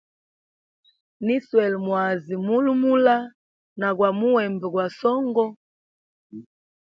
Niswele mwazi mulimula na gwa muembe gwa songo.